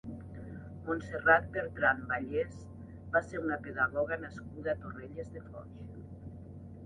Montserrat Bertrán Vallès va ser una pedagoga nascuda a Torrelles de Foix.